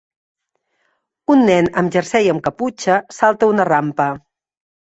Un nen amb jersei amb caputxa salta una rampa.